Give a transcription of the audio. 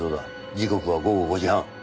時刻は午後５時半。